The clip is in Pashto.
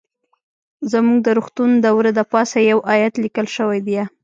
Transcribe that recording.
زموږ د روغتون د وره د پاسه يو ايت ليکل شوى ديه.